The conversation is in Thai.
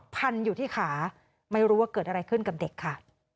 พันอยู่ที่ขาไม่รู้ว่าเกิดอะไรขึ้นกับเด็กค่ะ